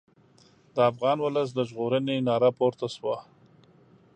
د افغان ولس د ژغورنې ناره پورته شوه.